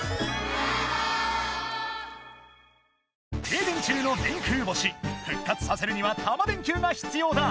停電中の電空星復活させるにはタマ電Ｑが必要だ！